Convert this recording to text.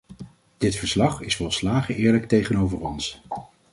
Dit verslag is volslagen eerlijk tegenover ons.